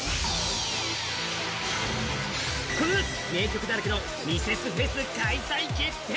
この夏、名曲だらけのミセスフェス開催決定。